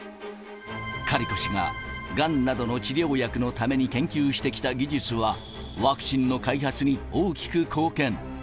カリコ氏ががんなどの治療薬のために研究してきた技術は、ワクチンの開発に大きく貢献。